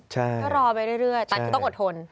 ใช่ใช่ตอนนี้ต้องอดทนถ้ารอไปเรื่อย